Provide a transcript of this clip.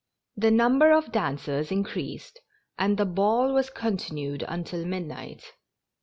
The number of dancers in creased and the ball was continued until midnight.